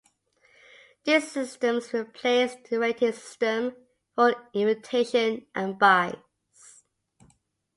This system replaced the rating system for invitations and byes.